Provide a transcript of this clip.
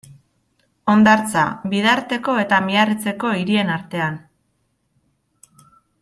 Hondartza, Bidarteko eta Miarritzeko hirien artean.